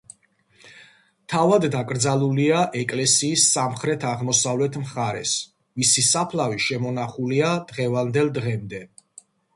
თავად დაკრძალულია ეკლესიის სამხრეთ-აღმოსავლეთ მხარეს, მისი საფლავი შემონახულია დღევანდელ დღემდე.